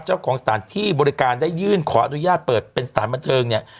เจ้าของสถานที่บริการได้ยื่นขออนุญาตเปิดเป็นสถานบันเทิงเนี่ย